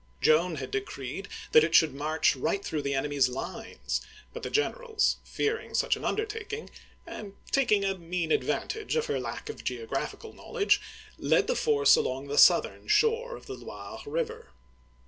Joan had decreed that it should march right through the enemy's lines, but the generals, fearing such an undertaking, and taking a mean advantage of her lack of geographical knowledge, led the force along the southern shore of the Loire River.